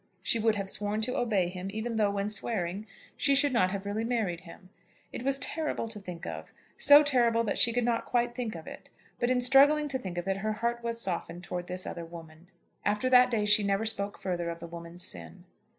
She would have sworn to obey him, even though, when swearing, she should not have really married him. It was terrible to think of, so terrible that she could not quite think of it; but in struggling to think of it her heart was softened towards this other woman. After that day she never spoke further of the woman's sin.